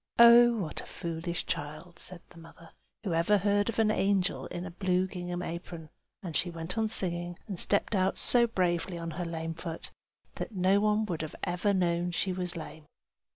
"Oh, what a foolish child!" said the mother. "Who ever heard of an angel in a blue gingham apron?" and she went on singing, and stepped out so bravely on her lame foot that no one would ever have known she was lame.